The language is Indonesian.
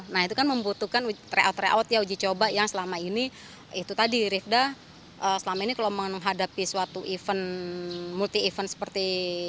nah itu kan membutuhkan tryout tryout ya uji coba yang selama ini itu tadi rifda selama ini kalau menghadapi suatu event multi event seperti